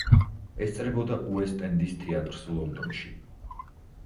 ესწრებოდა უესტ-ენდის თეატრს ლონდონში.